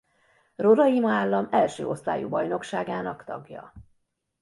Roraima állam első osztályú bajnokságának tagja.